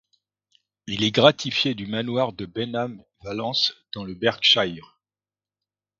Il est gratifié du manoir de Benham Valence, dans le Berkshire.